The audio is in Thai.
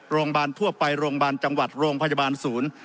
โรงพยาบาลทั่วไปโรงพยาบาลจังหวัดโรงพยาบาลศูนย์